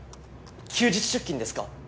休日出勤ですか？